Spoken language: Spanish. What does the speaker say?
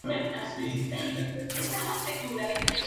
Cuando estalló el motín de Arequito, permaneció leal al general Cruz.